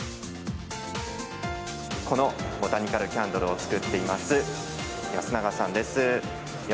このボタニカルキャンドルを作っています安永さんです。